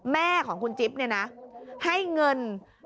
แม่ของคุณจิ๊บเนี่ยนะให้เงิน